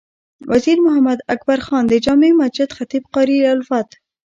وزیر محمد اکبر خان د جامع مسجد خطیب قاري الفت،